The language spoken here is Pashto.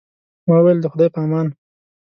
ما وویل، د خدای په امان.